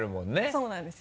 そうなんですよ。